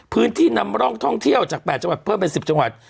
พื้นที่ท่องเที่ยวนำร่องจาก๘จังหวัดเพิ่มเป็น๑๐จังหวัด